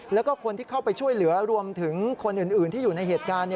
แล้วก็คนที่เข้าไปช่วยเหลือรวมถึงคนอื่นที่อยู่ในเหตุการณ์